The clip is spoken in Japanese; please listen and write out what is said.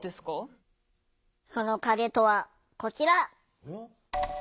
その影とはこちら！